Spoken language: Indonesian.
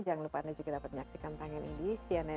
jangan lupa anda juga dapat menyaksikan tangan ini di cnn indonesia